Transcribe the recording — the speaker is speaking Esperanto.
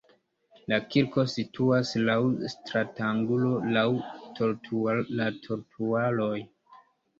La kirko situas laŭ stratangulo laŭ la trotuaroj.